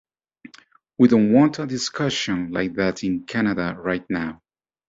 We don't want a discussion like that in Canada right now.